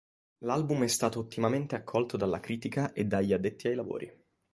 L'album è stato ottimamente accolto dalla critica e dagli addetti ai lavori.